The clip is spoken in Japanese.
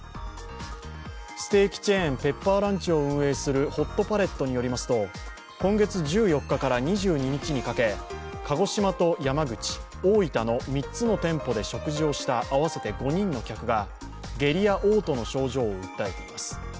ステーキチェーペッパーランチを運営するホットパレットによりますと、今月１４日から２２日にかけ鹿児島と山口、大分の３つの店舗で食事をした合わせて５人の客が下痢やおう吐の症状を訴えています。